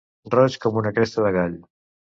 Roig com una cresta de gall.